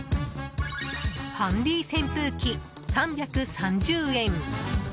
ハンディ扇風機、３３０円。